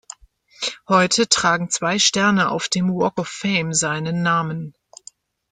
Heute tragen zwei Sterne auf dem Walk of Fame seinen Namen.